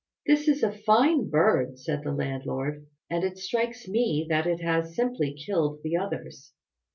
"This is a fine bird," said the landlord, "and it strikes me that it has simply killed the others.